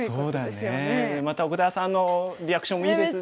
また奥田さんのリアクションもいいですね。